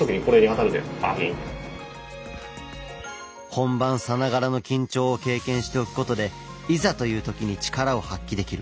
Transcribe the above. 本番さながらの緊張を経験しておくことでいざという時に力を発揮できる。